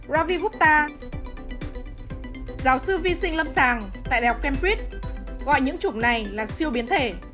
giáo sư vi sinh lâm sàng tại đại học cambridge gọi những chủng này là siêu biến thể